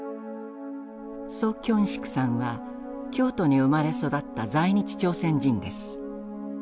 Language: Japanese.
徐京植さんは京都に生まれ育った在日朝鮮人です。